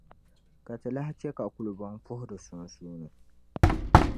Ka Ti lahi chɛ ka kulibɔŋ puhi di sunsuuni.